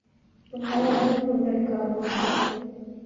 تمہارا منہ کیوں لٹکا ہوا ہے